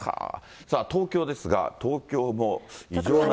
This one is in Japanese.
東京ですが、東京も異常な暑さ。